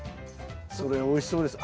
それおいしそうです。